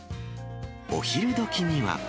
お昼どきには。